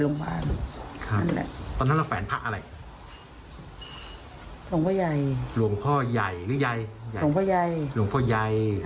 หลวงพ่อใหญ่หลวงพ่อใหญ่หรือยัยหลวงพ่อใหญ่หลวงพ่อใหญ่วัดอะไรฮะ